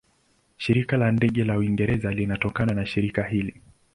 Shirika la Ndege la Uingereza linatokana na shirika hili.